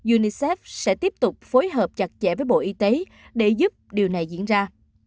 unicef sẽ tiếp tục phối hợp chặt chẽ với bộ y tế để giúp điều này diễn ra